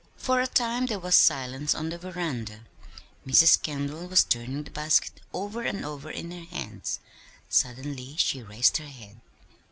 For a time there was silence on the veranda. Mrs. Kendall was turning the basket over and over in her hands. Suddenly she raised her head.